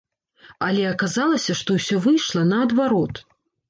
Але аказалася, што ўсё выйшла наадварот.